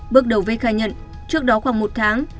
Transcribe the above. bước đầu vinh khai nhận trước đó khoảng một tháng